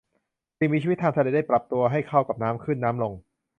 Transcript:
สิ่งมีชีวิตทางทะเลได้ปรับตัวให้เข้ากับน้ำขึ้นน้ำลง